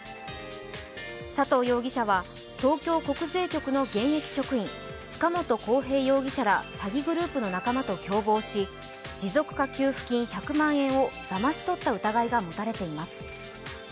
佐藤容疑者は東京国税局の現役職員、塚本晃平容疑者ら詐欺グループの仲間と共謀し、持続化給付金１００万円をだまし取った疑いが持たれています。